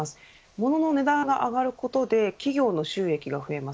ものの値段が上がることで企業の収益が増えます。